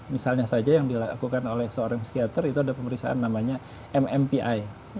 misalnya saja yang dilakukan oleh seorang psikiater itu ada pemeriksaan namanya mmpi